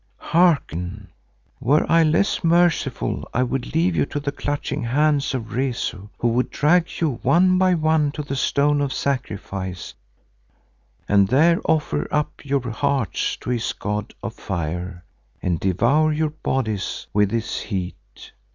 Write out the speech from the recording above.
Hearken! Were I less merciful I would leave you to the clutching hands of Rezu, who would drag you one by one to the stone of sacrifice and there offer up your hearts to his god of fire and devour your bodies with his heat.